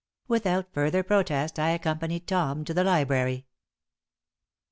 Without further protest I accompanied Tom to the library.